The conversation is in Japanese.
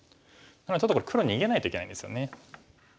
なのでちょっとこれ黒逃げないといけないんですよね。